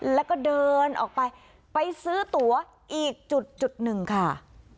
แล้วก็เดินออกไปไปซื้อตั๋วอีกจุดจุดหนึ่งค่ะ